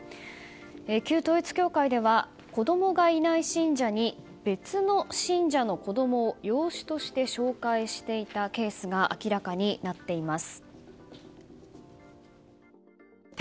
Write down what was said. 旧統一教会では子供がいない信者に別の信者の子供を養子として紹介していたケースが明らかになっています。